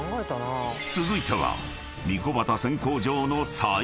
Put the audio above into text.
［続いては］